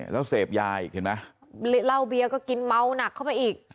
แล้วเสพยาอีกเห็นไหมเหล้าเบียร์ก็กินเมาหนักเข้าไปอีก